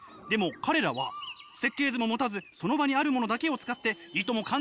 でも彼らは設計図も持たずその場にあるものだけを使っていとも